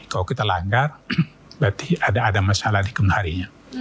kalau kita langgar berarti ada masalah di kemarinya